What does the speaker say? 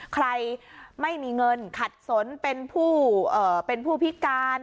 ใครไม่มีเงินขัดสนเป็นผู้พิการ